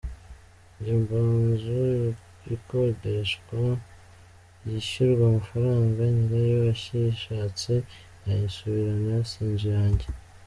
Njye mba nzu ikodeshwa yishyurwa amafaranga, nyirayo ayishatse yayisubirana si inzu yanjye.